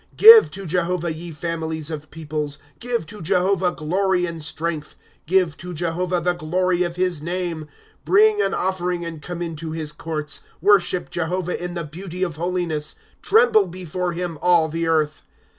' Give to Jehovah, ye famiUes of peoples, Give to Jehovah glory and strength. » Give to Jehovah the glory of his name ; Bring an offering, and come in to his courts. " Worship Jehovah in the beauty of holiness ; Tremble before him, all the earth.